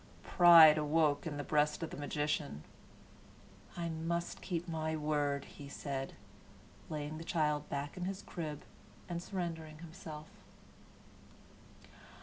Pride awoke in the breast of the magician. "I must keep my word," he said, laying the child back in the crib, and surrendering himself.